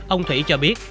ông thủy cho biết